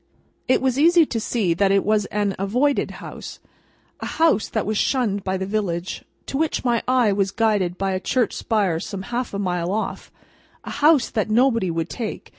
It was easy to see that it was an avoided house—a house that was shunned by the village, to which my eye was guided by a church spire some half a mile off—a house that nobody would take.